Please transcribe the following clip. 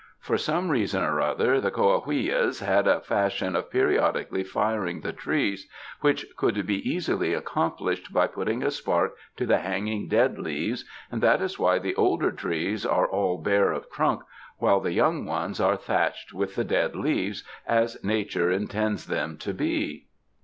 For some reason or other, the Coahuillas had a fashion of periodically firing the trees, which could be easily accomplished by putting a spark to the hanging dead leaves, and that is why the older trees are all bare of trunk, while the young ones are thatched with the dead leaves as Nature intends them to be.